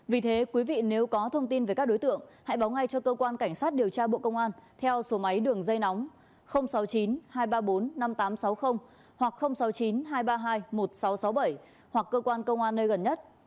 vì thế quý vị nếu có thông tin về các đối tượng hãy báo ngay cho cơ quan cảnh sát điều tra bộ công an theo số máy đường dây nóng sáu mươi chín hai trăm ba mươi bốn năm nghìn tám trăm sáu mươi hoặc sáu mươi chín hai trăm ba mươi hai một nghìn sáu trăm sáu mươi bảy hoặc cơ quan công an nơi gần nhất